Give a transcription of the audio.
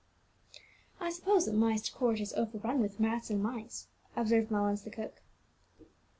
"I suppose that Myst Court is overrun with rats and mice," observed Mullins the cook.